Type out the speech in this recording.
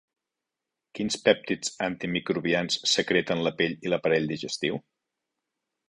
Quins pèptids antimicrobians secreten la pell i l'aparell digestiu?